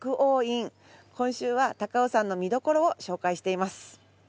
今週は高尾山の見どころを紹介しています。